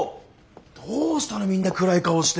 どうしたのみんな暗い顔して。